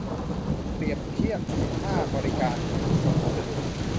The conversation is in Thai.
เปรียบเทียบ สิบห้า บริการขนส่งพัสดุ